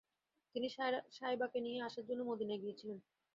তিনি শায়বাকে নিয়ে আসার জন্য মদিনায় গিয়েছিলেন।